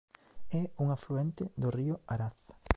É un afluente do río Araz.